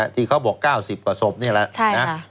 ที่เขาบอก๙๐กว่าศพนี่แหละ